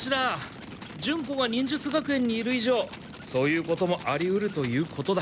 ジュンコが忍術学園にいる以上そういうこともありうるということだ。